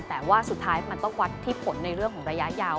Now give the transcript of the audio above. แต่ว่าสุดท้ายมันต้องวัดที่ผลในเรื่องของระยะยาว